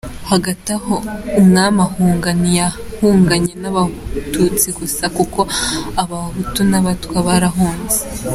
Hagati aho Umwami ahunga ntiyahunganye n’abatutsi gusa kuko n’abahutu n’abatwa barahunze.